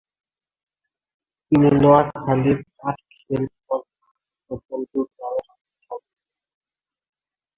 তিনি নোয়াখালীর চাটখিল উপজেলার হোসেনপুর গ্রামে জন্মগ্রহণ করেন।